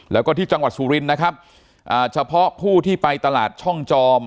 แล้วก็ที่จังหวัดสุรินทร์นะครับอ่าเฉพาะผู้ที่ไปตลาดช่องจอม